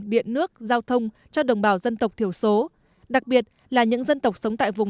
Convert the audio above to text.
điện nước giao thông cho đồng bào dân tộc thiểu số đặc biệt là những dân tộc sống tại vùng